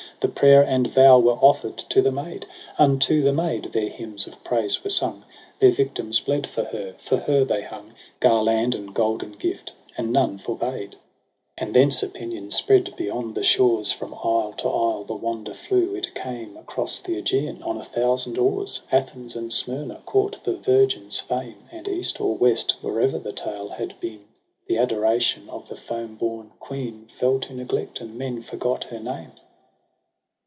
The prayer and vow were ofFer'd to the maid j Unto the maid their hymns of praise were sung. Their victims bled for her, for her they hung Garland and golden gift, and none forbade. 78 EROS ^ PSYCHE 9 And thence opinion spread beyond the shores, From isle to isle the wonder flew, it came Across the ^gaean on a thousand oars, Athens and Smyrna caught the virgin's fame j And East or West, where'er the tale had been. The adoration of the foam born queen Fell to neglect, and men forgot her name.